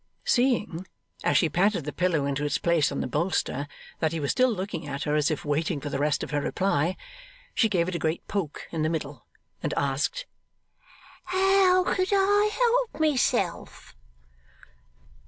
Seeing, as she patted the pillow into its place on the bolster, that he was still looking at her as if waiting for the rest of her reply, she gave it a great poke in the middle, and asked, 'How could I help myself?